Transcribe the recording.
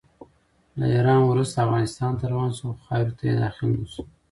له ایران وروسته افغانستان ته روان شو، خو خاورې ته یې داخل نه شو.